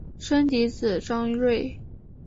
生嫡子张锐。